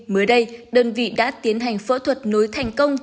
mới đây đơn vị đã tiến hành phẫu thuật nối thành công